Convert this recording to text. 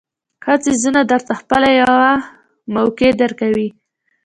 ښه څیزونه درته خپله یوه موقع درکوي.